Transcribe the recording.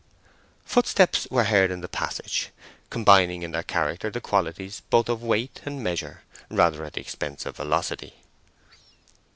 Footsteps were heard in the passage, combining in their character the qualities both of weight and measure, rather at the expense of velocity.